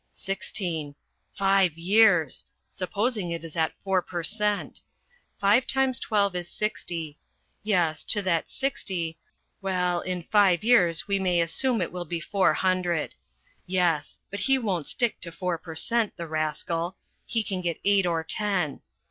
" Sixteen five years ! Supposing it is at four per cent. five times twelve is sixty ; yes, to that sixty ... well, in five years we may assume it will be four hundred. Yes !... But he won't stick to four per cent., the rascal. He can get eight or ten.